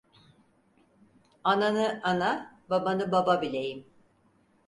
Ananı ana, babanı baba bileyim…